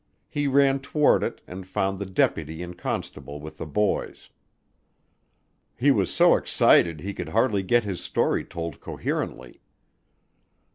He ran toward it and found the deputy and constable with the boys. He was so excited he could hardly get his story told coherently.